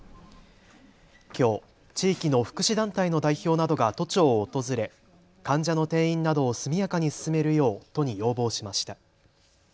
きょう地域の福祉団体の代表などが都庁を訪れ患者の転院などを速やかに進めるよう都に要望しました。